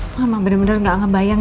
mama bener bener gak ngebayang